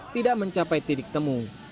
tidak mencapai tidik temu